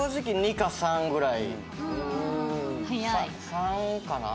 ３かな？